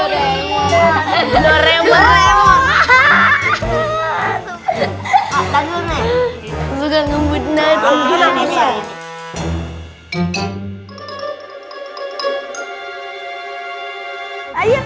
suka ngebut nanti